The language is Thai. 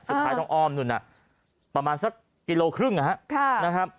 สุดท้ายต้องอ้อมนู่นน่ะประมาณสักกิโลครึ่งนะครับ